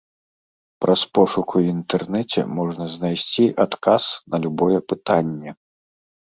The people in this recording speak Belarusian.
Праз пошук у інтэрнэце можна знайсці адказ на любое пытанне.